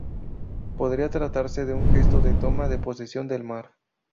Podría tratarse de un gesto de toma de posesión del mar.